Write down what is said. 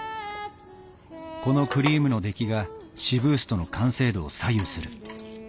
このクリームの出来がシブーストの完成度を左右する。